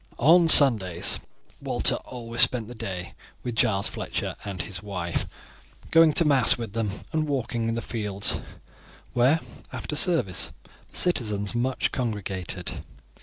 On Sundays Walter always spent the day with Giles Fletcher and his wife, going to mass with them and walking in the fields, where, after service, the citizens much congregated.